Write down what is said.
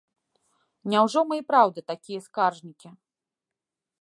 Няўжо мы і праўда такія скаржнікі?